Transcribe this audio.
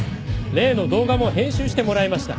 例の動画も編集してもらいました。